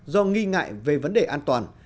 do nghi ngại về vấn đề an toàn